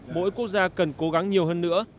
mỗi quốc gia cần cố gắng nhiều hơn nữa